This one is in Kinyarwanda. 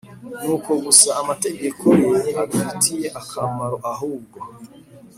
N uko gusa amategeko ye adufitiye akamaro ahubwo